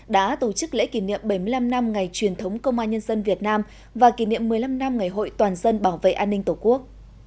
đã tổ chức lễ kỷ niệm bảy mươi năm năm ngày truyền thống công an nhân dân việt nam và kỷ niệm một mươi năm năm ngày hội toàn dân bảo vệ an ninh tổ quốc